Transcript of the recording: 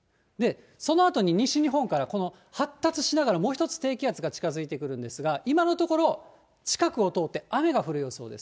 そのあとに西日本から、この、発達しながらもう１つ低気圧が近づいてくるんですが、今のところ、近くを通って雨が降る予想です。